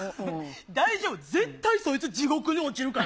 大丈夫、絶対、そいつ地獄に落ちるから。